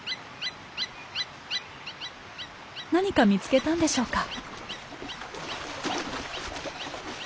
何か見つけたんでしょうか？